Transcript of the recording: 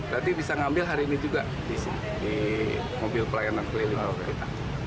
nanti bisa ngambil hari ini juga di mobil pelayanan keliling warga kita